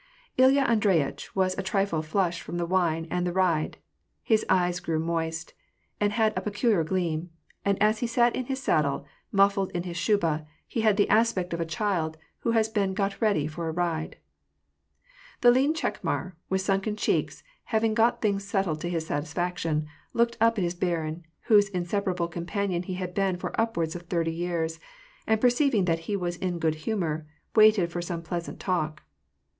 Ilya Andreyitch was a trifle flushed from the wine and the ride ; his eyes grew moist, and had a peculiar gleam ; and as he sat in his saddle, muffled in his shuba, he had the aspect of a child who has been got ready for a ride. The lean Chekmar, with sunken cheeks, having got things settled to his satisfaction, looked up at his barin, whose insep arable companion he had been for upwards of thirty years, and perceiving that he was in good humor, waited for some pleasant talk.